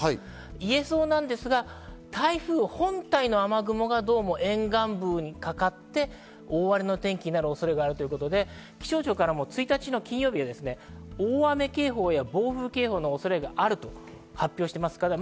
いえそうなんですが、台風本体の雨雲が沿岸部にかかって大荒れの天気になる恐れがあるということで気象庁からも１日、金曜日には大雨警報や暴風警報の恐れがあると発表しています。